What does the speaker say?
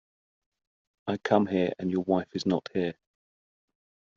I come here, and your wife is not here.